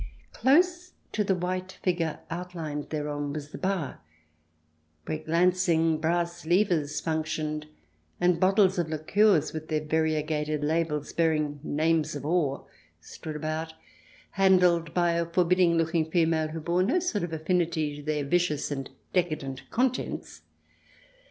Close to the white figure outlined thereon was the bar, where glancing brass levers functioned and bottles of liqueurs, with their varie gated labels bearing names of awe, stood about, handled by a forbidding looking female who bore no sort of affinity to their vicious and decadent contents.